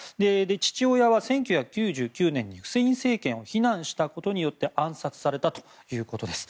父親は１９９９年にフセイン政権を非難したことによって暗殺されたということです。